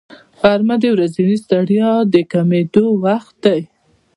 غرمه د ورځنۍ ستړیا د کمېدو وخت دی